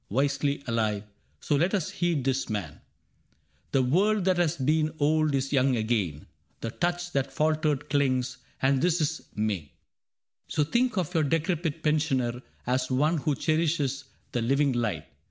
Wisely alive. So let us heed this man :—" The world that has been old is young again, The touch that faltered clings ; and this is May. So think of your decrepit pensioner As one who cherishes the living light.